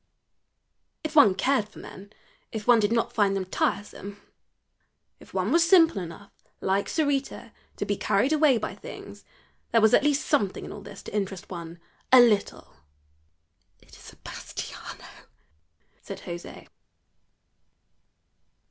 If one cared for men, if one did not find them tiresome, if one was simple enough like Sarita to be carried away by things, there was at least something in all this to interest one a little. "It is Sebastiano," said José.